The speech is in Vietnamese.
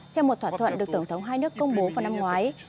theo một thỏa thuận được tổng thống hai nước công bố vào năm ngoái